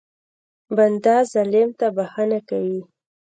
بنده ظالم ته بښنه کوي.